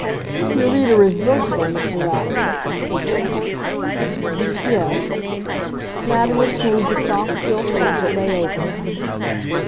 "Your reader is versatile, Mr. Latimer," he said. "Yes." Latimer smoothed the soft silk rug that lay over him.